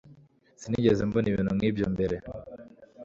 Sinigeze mbona ibintu nkibyo mbere.